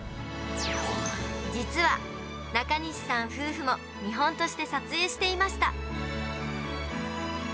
実は、中西さん夫婦も見本として撮影していました。